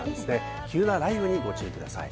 急な雷雨にご注意ください。